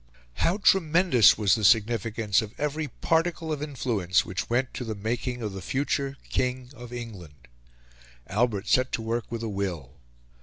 How tremendous was the significance of every particle of influence which went to the making of the future King of England! Albert set to work with a will.